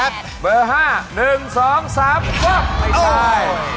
เบอร์๕๑๒๓๖ไม่ใช่